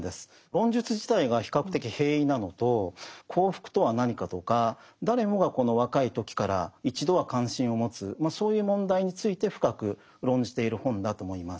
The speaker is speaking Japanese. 論述自体が比較的平易なのと幸福とは何かとか誰もが若い時から一度は関心を持つそういう問題について深く論じている本だと思います。